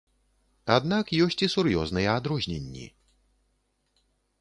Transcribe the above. Аднак ёсць і сур'ёзныя адрозненні.